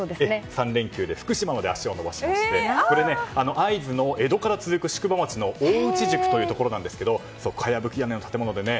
３連休で福島まで足を延ばしましてそこで会津の江戸から続く宿場町の大内宿というところなんですがかやぶき屋根の建物でね。